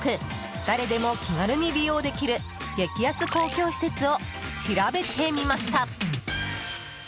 誰でも気軽に利用できる激安公共施設を調べてみました。